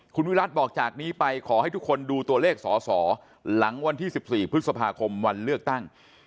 คุณวิรัติพฤษภาคมวันเลือกตั้ง